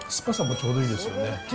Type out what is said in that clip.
ちょうどいいです。